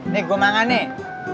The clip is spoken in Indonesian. nih gua mangan nih